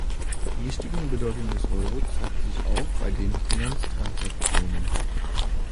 Die gestiegene Bedeutung des Euro zeigt sich auch bei den Finanztransaktionen.